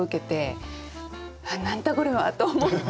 「あっ何だこれは！」と思って。